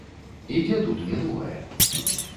І дзе тут мінулае?